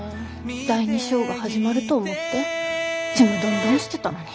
第２章が始まると思ってちむどんどんしてたのに。